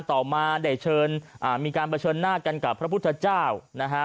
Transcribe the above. ต่อมาได้เชิญอ่ามีการเผชิญหน้ากันกับพระพุทธเจ้านะฮะ